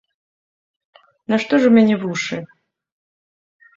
Нашто ж у мяне вушы?